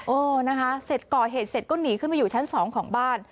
โอ้นะคะเสร็จก่อเหตุเสร็จก็หนีขึ้นมาอยู่ชั้นสองของบ้าน